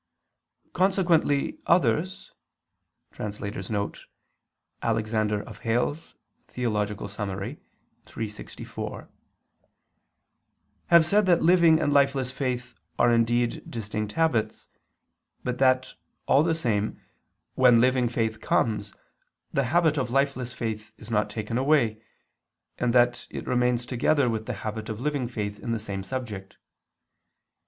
Consequently others [*Alexander of Hales, Sum. Theol. iii, 64] have said that living and lifeless faith are indeed distinct habits, but that, all the same, when living faith comes the habit of lifeless faith is not taken away, and that it remains together with the habit of living faith in the same subject.